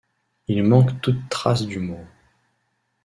Il manque toute trace d'humour.